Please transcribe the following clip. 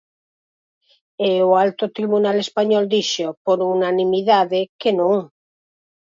E o alto tribunal español dixo, por unanimidade, que non.